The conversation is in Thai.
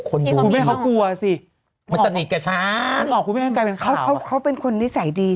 คนดูมีคงคุณแม่เขากลัวสิ